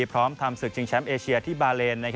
พร้อมทำศึกชิงแชมป์เอเชียที่บาเลน